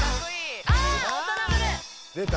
「出た」